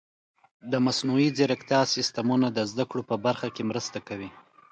د مصنوعي ځیرکتیا سیستمونه د زده کړو په برخه کې مرسته کوي.